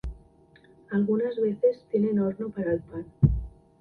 Algunas veces tienen horno para el pan.